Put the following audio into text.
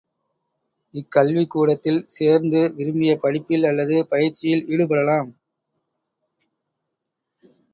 இக்கல்விக் கூடத்தில் சேர்ந்து, விரும்பிய படிப்பில் அல்லது பயிற்சியில் ஈடுபடலாம்.